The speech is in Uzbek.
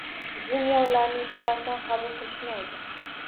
Juniorlarni ishga oson qabul qilishmaydi